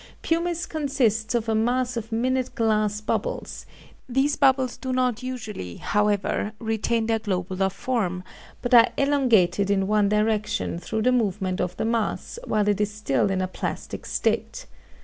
Pumice consists of a mass of minute glass bubbles; these bubbles do not usually, however, retain their globular form, but are elongated in one direction through the movement of the mass while it is still in a plastic state.